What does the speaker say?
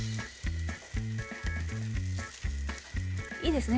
いいですね